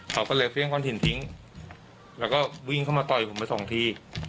เขาก็เลยเฟี่ยงก้อนถิ่นทิ้งแล้วก็วิ่งเข้ามาต่อยผมไปสองที